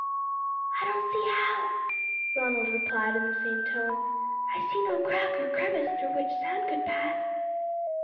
"I don't see how," Ronald replied in the same tone; "I see no crack or crevice through which sound could pass."